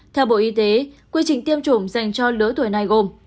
theo bộ y tế quy trình tiêm chủng dành cho lứa tuổi này gồm